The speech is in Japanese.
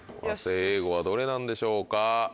和製英語はどれなんでしょうか。